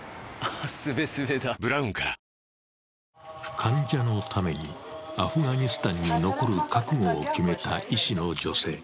患者のためにアフガニスタンに残る覚悟を決めた医師の女性。